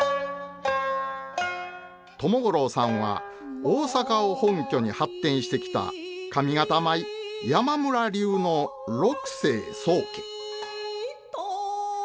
友五郎さんは大阪を本拠に発展してきた上方舞山村流の六世宗家。